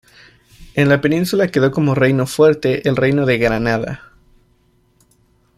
En la península quedó como reino fuerte el reino de Granada.